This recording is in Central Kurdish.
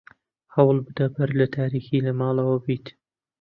هەوڵ بدە بەر لە تاریکی لە ماڵەوە بیت.